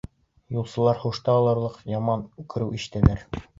Юлсылар һушты алырлыҡ яман үкереү ишетәләр.